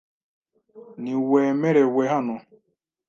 Ntiwemerewe hano .